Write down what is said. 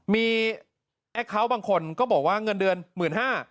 มีแอคเคาน์บางคนก็บอกว่าเงินเดือน๑๕๐๐บาท